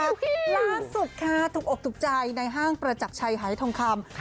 ล้านสุขค่ะถูกอบถูกใจในห้างประจักษ์ชัยไฮทรงคำ